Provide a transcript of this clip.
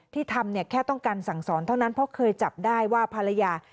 ที่ทำเนี่ยแค่ต้องการสั่งสอนเท่านั้นเพราะเคยจับได้ว่าภรรยา